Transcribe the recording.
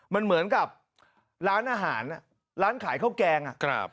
มันเหมือนกับร้านอาหารร้านขายข้าวแกงอ่ะครับ